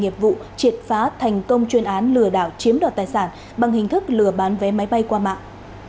nghiệp vụ triệt phá thành công chuyên án lừa đảo chiếm đoạt tài sản bằng hình thức lừa bán vé máy bay qua mạng